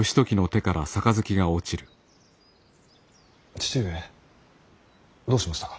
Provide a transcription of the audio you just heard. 父上どうしましたか。